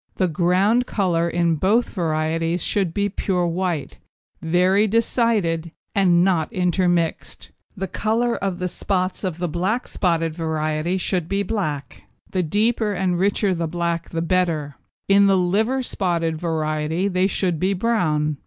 The ground colour in both varieties should be pure white, very decided, and not intermixed. The colour of the spots of the black spotted variety should be black, the deeper and richer the black the better; in the liver spotted variety they should be brown.